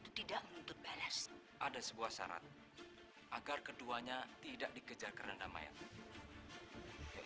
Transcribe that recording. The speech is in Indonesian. ketika kita berdua kita tidak bisa menemukan keti